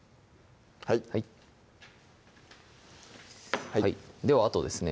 はいではあとですね